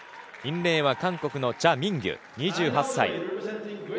インレーンは韓国のチャ・ミンギュ、２８歳。